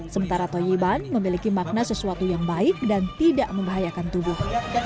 sementara toyiban memiliki makna sesuatu yang baik dan tidak membahayakan tubuh